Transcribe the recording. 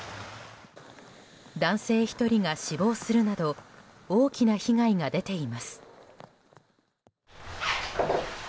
男性１人が死亡するなど大きな被害が出ています。